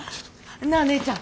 なっ姉ちゃん！